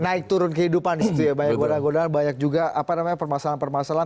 naik turun kehidupan itu ya banyak gudang gudang banyak juga permasalahan permasalahan